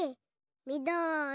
みどり！